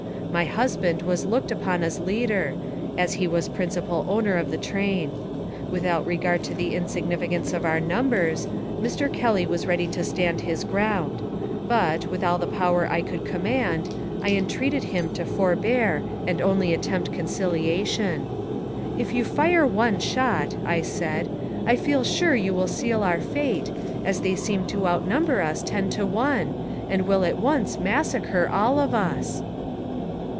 My husband was looked upon as leader, as he was principal owner of the train. "Without regard to the insignificance of our numbers, Mr. Kelly was ready to stand his ground ; but, with all the power I could command, I entreated him to forbear and only attempt conciliation. " If you fire one shot/' I said, " I feel sure you will seal our fate, as they seem to outnumber us ten to one, and will at once massacre all of us."